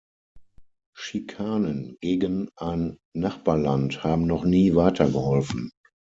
Schikanen gegen ein Nachbarland haben noch nie weitergeholfen.